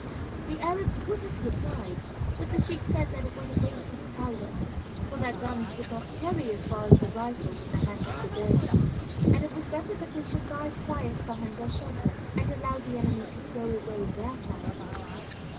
The Arabs would have replied, but the sheik said that it was a waste of powder, for their guns would not carry as far as the rifles in the hands of the dervishes, and it was better that they should lie quiet behind their shelter and allow the enemy to throw away their fire.